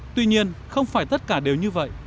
tuy nhiên không phải tất cả đều như vậy